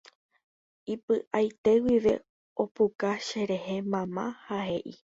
Ipy'aite guive opuka cherehe mama ha he'i.